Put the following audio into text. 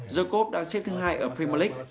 jacob đang xếp thứ hai ở premier league